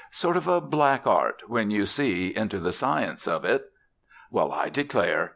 Sort of a black art, when you see into the science of it. Well, I declare!